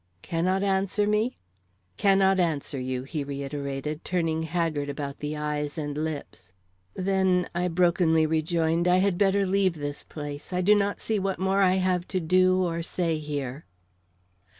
"Cannot answer me?" "Cannot answer you," he reiterated, turning haggard about the eyes and lips. "Then," I brokenly rejoined, "I had better leave this place; I do not see what more I have to do or say here."